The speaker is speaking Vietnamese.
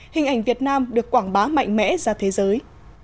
hình ảnh việt nam được quảng bá mạnh mẽ ra thế giới